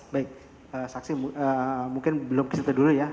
baik saksi mungkin belum keserta dulu ya